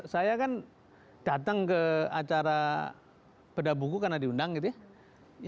saya kan datang ke acara bedah buku karena diundang gitu ya